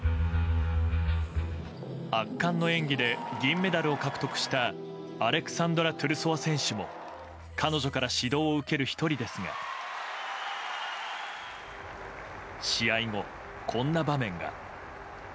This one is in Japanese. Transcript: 圧巻の演技で銀メダルを獲得したアレクサンドラ・トゥルソワ選手も彼女から指導を受ける１人ですが試合後、こんな場面が。